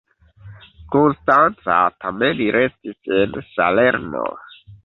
Konstanca tamen restis en Salerno.